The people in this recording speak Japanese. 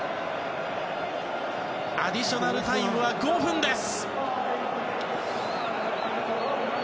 アディショナルタイムは５分です。